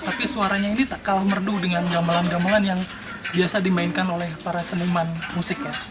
tapi suaranya ini tak kalah merdu dengan gamelan gamelan yang biasa dimainkan oleh para seniman musiknya